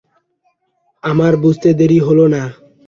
আমার বুঝতে দেরি হল না।